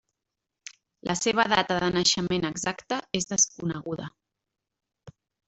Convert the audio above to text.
La seva data de naixement exacta és desconeguda.